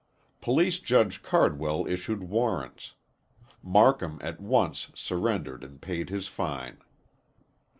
Police Judge Cardwell issued warrants. Marcum at once surrendered and paid his fine.